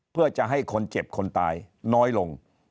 เพื่อจะให้คนเจ็บคนตายน้อยลง